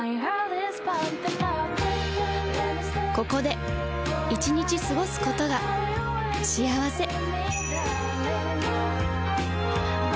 ここで１日過ごすことが幸せ